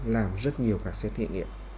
làm rất nhiều các xét nghiệm